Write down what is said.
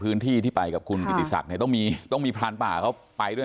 พื้นที่ที่ไปกับคุณกิติศักดิ์ต้องมีพลานป่าเขาไปด้วย